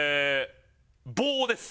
「棒」です。